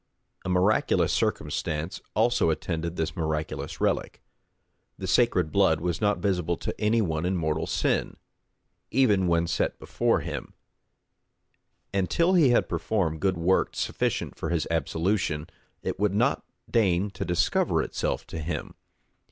A miraculous circumstance also attended this miraculous relic; the sacred blood was not visible to any one in mortal sin, even when set before him; and till he had performed good works sufficient for his absolution, it would not deign to discover itself to him.